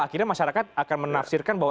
akhirnya masyarakat akan menafsirkan bahwa